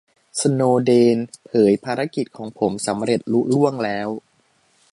'สโนว์เดน' เผย "ภารกิจของผมสำเร็จลุล่วงแล้ว"